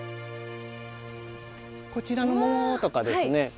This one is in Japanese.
こちらの桃とかですね